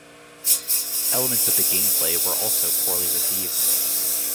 Elements of the gameplay were also poorly received.